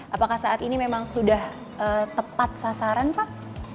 apakah saat ini memang sudah tepat sasaran pak